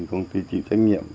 công ty chỉ trách nhiệm